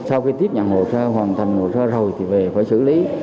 sau khi tiếp nhận hồ sơ hoàn thành hồ sơ rồi thì về phải xử lý